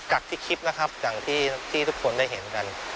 จากที่คลิปนะครับอย่างที่ทุกคนได้เห็นกัน